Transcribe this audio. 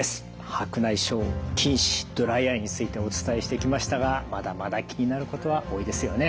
白内障近視ドライアイについてお伝えしてきましたがまだまだ気になることは多いですよね。